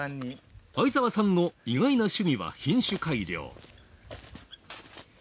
相澤さんの意外な趣味は品種改良。